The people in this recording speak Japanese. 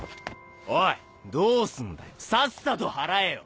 おいどうすんだよさっさと払えよ！